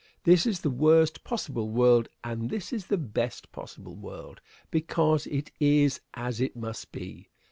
This is the worst possible world, and this is the best possible world because it is as it must be.